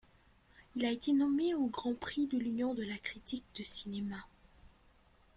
Il a été nommé au Grand Prix de l'Union de la critique de cinéma.